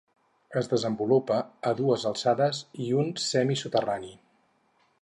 Es desenvolupa a dues alçades i un semisoterrani.